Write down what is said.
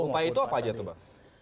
upaya itu apa saja pak